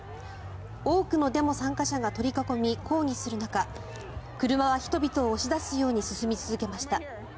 多くのデモ参加者が取り囲み抗議する中車は人々を押し出すように進み続けました。